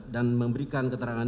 dan memberikan ketaraan